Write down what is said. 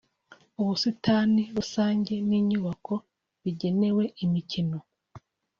ubusitani rusange n’inyubako bigenewe imikino